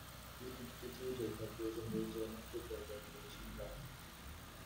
He instituted the present-day German Football-Federation Cup.